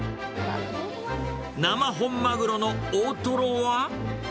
生本マグロの大トロは？